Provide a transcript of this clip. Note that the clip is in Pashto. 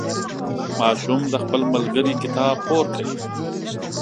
ماشوم د خپل ملګري کتاب پور کړ.